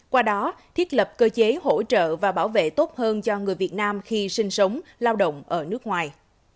qua đó thiết lập cơ chế hỗ trợ và bảo vệ tốt hơn cho người việt nam khi sinh sống lao động ở nước ngoài